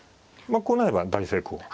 こうなれば大成功。